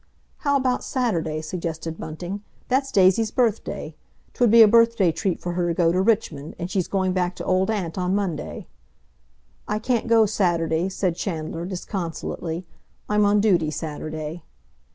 "How about Saturday?" suggested Bunting. "That's Daisy's birthday. 'Twould be a birthday treat for her to go to Richmond, and she's going back to Old Aunt on Monday." "I can't go Saturday," said Chandler disconsolately. "I'm on duty Saturday."